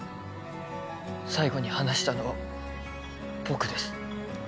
最後に話したのは僕です